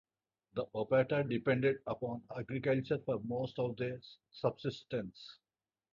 The Opata depended upon agriculture for most of their subsistence.